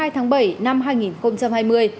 tháng bảy năm hai nghìn hai mươi